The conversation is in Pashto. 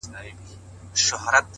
خبرېږم زه راته ښېراوي كوې؛